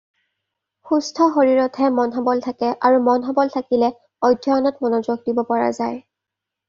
সুস্থ শৰীৰতহে মন সবল থাকে আৰু মন সবল থাকিলে অধ্যয়নত মনোযোগ দিব পৰা যায়।